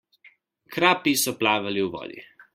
Krapi so plavali v vodi.